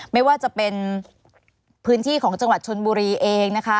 ไม่ว่าจะเป็นพื้นที่ของจังหวัดชนบุรีเองนะคะ